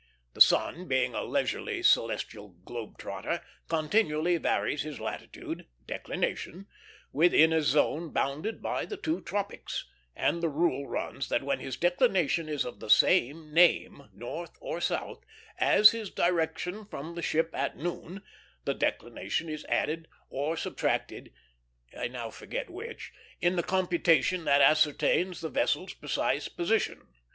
The sun, being a leisurely celestial globe trotter, continually varies his latitude declination within a zone bounded by the two tropics; and the rule runs that when his declination is of the same name (north or south) as his direction from the ship at noon, the declination is added or subtracted, I now forget which, in the computation that ascertains the vessel's precise position.